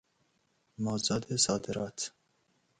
مازاد صادرات